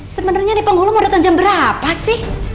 sebenernya nih penghulung mau datang jam berapa sih